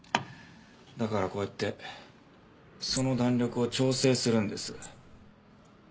だからこうやってその弾力を調整するんです。